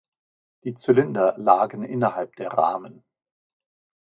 Die Zylinder lagen innerhalb der Rahmen.